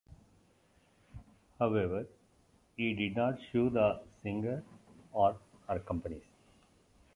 However, he did not sue the singer or her companies.